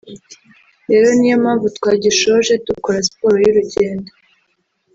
rero ni yo mpamvu twagishoje dukora siporo y’urugendo